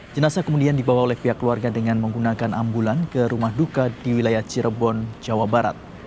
jenasa kemudian dibawa oleh pihak keluarga dengan menggunakan ambulan ke rumah duka di wilayah cirebon jawa barat